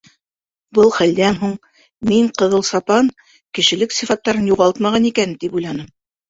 Был хәлдән һуң, мин ҡыҙыл сапан кешелек сифаттарын юғалтмаған икән, тип уйланым.